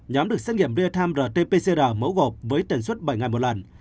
nhóm được xét nghiệm batam rt pcr mẫu gộp với tần suất bảy ngày một lần